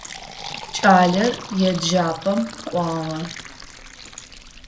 Кӏалэр еджапӏэм кӏуагъэ.